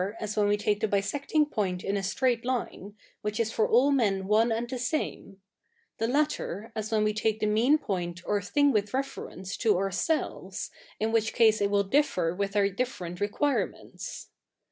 as 7vhen ive take the bisect ing point i?i a st7'aight line, ivhich is for all men one and the same : the latter, as when zve take the mean point or thing with 7'eference to ourselves, in which case it will differ with our different requirements.